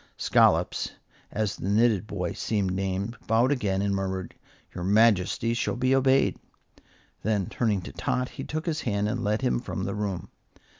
Scollops, as the knitted boy seemed named, bowed again and murmured, "Your Majesty shall be obeyed." Then, turning to Tot, he took his hand and led him from the room.